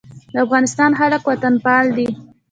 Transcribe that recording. د افغانستان خلک وطنپال دي